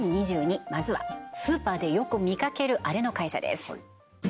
２０２２まずはスーパーでよく見かけるあれの会社です